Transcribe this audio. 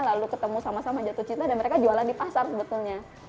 lalu ketemu sama sama jatuh cinta dan mereka jualan di pasar sebetulnya